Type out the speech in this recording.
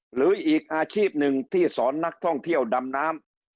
หรืออีกอาชีพหนึ่งที่สอนนักท่องเที่ยวดำน้ำ